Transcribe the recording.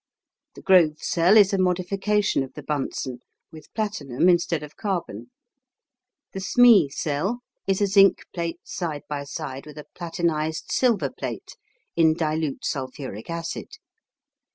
The Grove cell is a modification of the Bunsen, with platinum instead of carbon. The Smee cell is a zinc plate side by side with a "platinised" silver plate in dilute sulphuric acid.